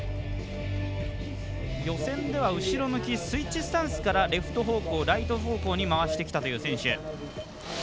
予選では後ろ向きスイッチスタンスからレフト方向、ライト方向に回してきたという選手。